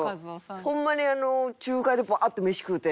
ホンマに中華屋でバーッて飯食うて？